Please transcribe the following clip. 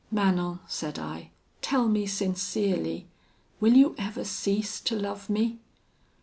'Manon,' said I, 'tell me sincerely, will you ever cease to love me?'